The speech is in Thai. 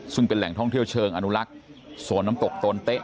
ซึ่งเป็นแหล่งท่องเที่ยวเชิงอนุลักษ์โซนน้ำตกโตนเต๊ะ